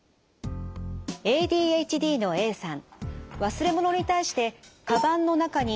ＡＤＨＤのＡさん